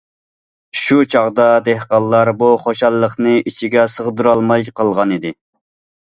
شۇ چاغدا دېھقانلار بۇ خۇشاللىقنى ئىچىگە سىغدۇرالماي قالغانىدى.